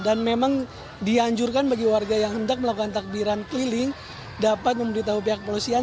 dan memang dianjurkan bagi warga yang hendak melakukan takbiran keliling dapat memberitahu pihak polosian